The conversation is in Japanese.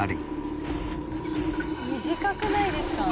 「短くないですか？」